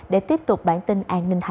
để tiếp tục bản tin an ninh hai mươi bốn h